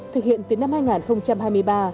thực hiện tới năm hai nghìn hai mươi ba